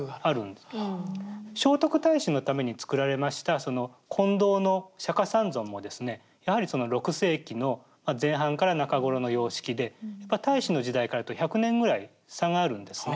聖徳太子のために造られましたその金堂の釈三尊もですねやはりその６世紀の前半から中頃の様式で太子の時代からいうと１００年ぐらい差があるんですね。